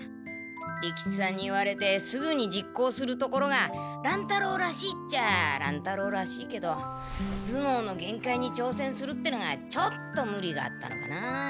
利吉さんに言われてすぐに実行するところが乱太郎らしいっちゃ乱太郎らしいけど頭脳の限界に挑戦するってのがちょっとムリがあったのかなあ。